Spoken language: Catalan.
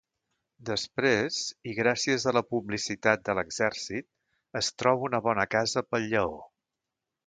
Després i gràcies a la publicitat de l'Exèrcit, es troba una bona casa pel lleó.